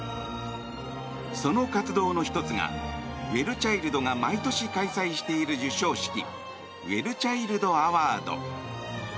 その活動の１つがウェルチャイルドが毎年開催している授賞式ウェルチャイルド・アワード。